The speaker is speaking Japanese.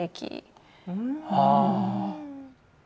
ああ。